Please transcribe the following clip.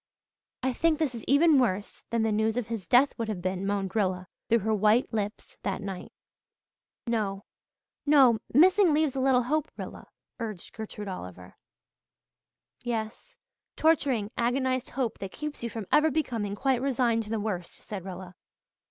"I think this is even worse than the news of his death would have been," moaned Rilla through her white lips, that night. "No no 'missing' leaves a little hope, Rilla," urged Gertrude Oliver. "Yes torturing, agonized hope that keeps you from ever becoming quite resigned to the worst," said Rilla.